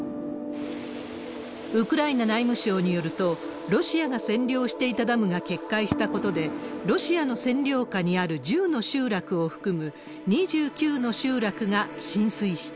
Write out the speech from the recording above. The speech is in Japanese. ウクライナ内務省によると、ロシアが占領していたダムが決壊したことで、ロシアの占領下にある１０の集落を含む２９の集落が浸水した。